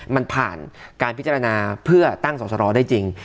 มันผ่านการพิจารณาเพื่อตั้งสอสรได้จริง